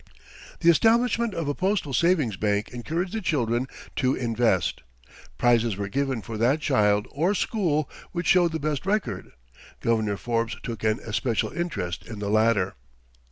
"The establishment of a postal savings bank encouraged the children to invest. Prizes were given for that child or school which showed the best record." (Governor Forbes took an especial interest in the latter.)